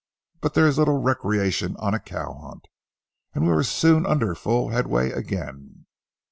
But there is little recreation on a cow hunt, and we were soon under full headway again.